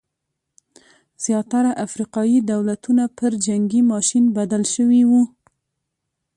زیاتره افریقايي دولتونه پر جنګي ماشین بدل شوي وو.